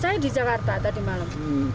saya di jakarta tadi malam